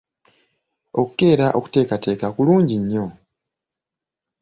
Okukeera okuteekateeka kulungi nnyo.